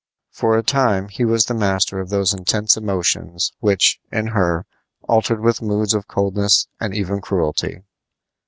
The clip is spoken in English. For a time he was the master of those intense emotions which, in her, alternated with moods of coldness and even cruelty.